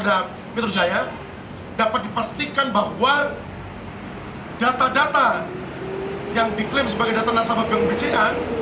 di transkripsi produk metode jaya dapat dipastikan bahwa data data yang diklaim sebagai data nasabah bank bca